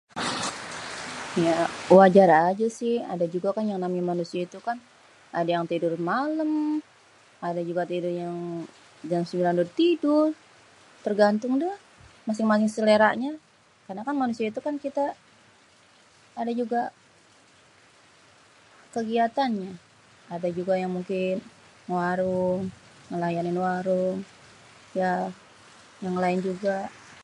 ya wajar aja si adé juga kan yang namenyé manusia ituu kan adé yang tidur nyé malem, adé juga yang tidur yang jam 9 udeh tidur, tergantung dah masing-masing seleranyé karna kan manusia itu kan kité, adé juga, kegiatannya, adé juga yang mungkin ngewarung, ngelayanin warung [ya] yang ngelayanin juga